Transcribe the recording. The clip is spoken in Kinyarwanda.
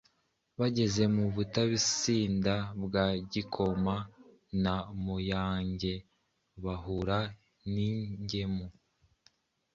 bageze mu Butansinda bwa Kigoma na Muyange bahura n’ingemu